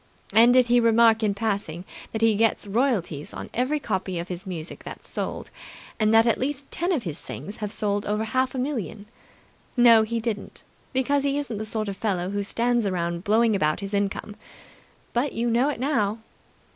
And did he remark in passing that he gets royalties on every copy of his music that's sold, and that at least ten of his things have sold over half a million? No, he didn't, because he isn't the sort of fellow who stands around blowing about his income. But you know it now."